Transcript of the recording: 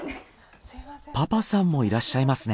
パパさんもいらっしゃいますね。